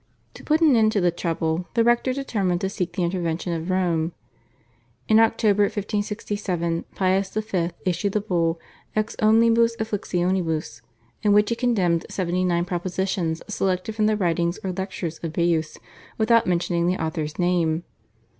To put an end to the trouble the rector determined to seek the intervention of Rome. In October 1567 Pius V. issued the Bull, /Ex omnibus afflictionibus/, in which he condemned seventy nine propositions selected from the writings or lectures of Baius without mentioning the author's name.